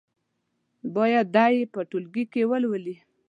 بیا دې یې په ټولګي کې ولولي.